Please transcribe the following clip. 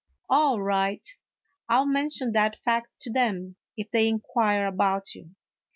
" All right, I '11 mention that fact to them, if they inquire about you."